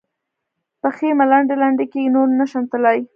پښې مې لنډې لنډې کېږي؛ نور نه شم تلای.